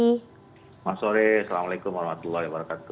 selamat sore assalamualaikum warahmatullahi wabarakatuh